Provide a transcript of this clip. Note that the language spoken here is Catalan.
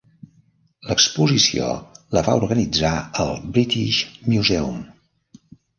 L'exposició la va organitzar el British Museum.